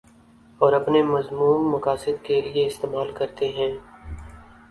اور اپنے مذموم مقاصد کے لیے استعمال کرتے ہیں